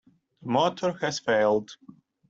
The motor has failed.